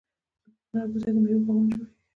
د کوکنارو پر ځای د میوو باغونه جوړیږي.